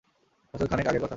বছরখানেক আগের কথা।